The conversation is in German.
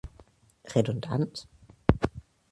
Redundant?